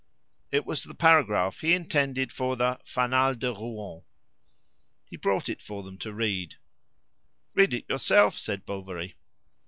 It was the paragraph he intended for the "Fanal de Rouen." He brought it for them to read. "Read it yourself," said Bovary.